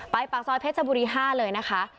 ปากซอยเพชรบุรี๕เลยนะคะ